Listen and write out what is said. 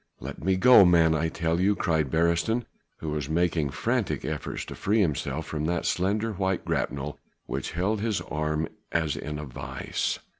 "Let me go, man, I tell you," cried Beresteyn who was making frantic efforts to free himself from that slender white grapnel which held his arm as in a vice.